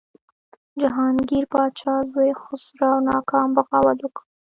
د جهانګیر پاچا زوی خسرو ناکام بغاوت وکړ.